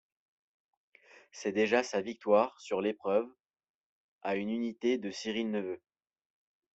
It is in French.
C'est déjà sa victoire sur l'épreuve, à une unité de Cyril Neveu.